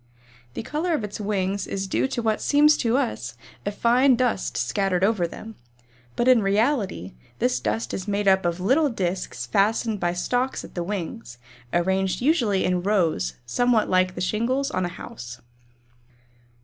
The color of its wings is due to what seems to us a fine dust scattered over them, but in reality this dust is made up of little discs fastened by stalks to the wings, arranged usually in rows somewhat like the shingles on a house.